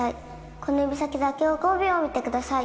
この指先だけを５秒見てください。